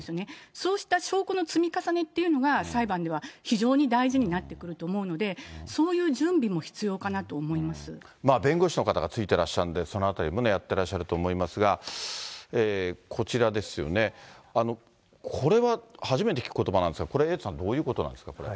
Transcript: そうした証拠の積み重ねっていうのが、裁判では非常に大事になってくると思うので、そういう準備まあ弁護士の方がついてらっしゃるんで、そのあたりもやってらっしゃると思いますが、こちらですよね、これは初めて聞くことばなんですが、これ、エイトさん、どういうことなんですか、これ。